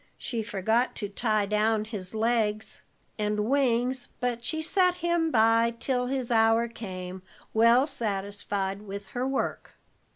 She forgot to tie down his legs and wings, but she set him by till his hour came, well satisfied with her work.